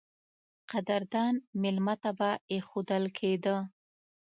قدردان مېلمه ته به اېښودل کېده.